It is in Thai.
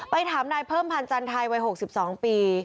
ถามนายเพิ่มพันธ์จันไทยวัย๖๒ปี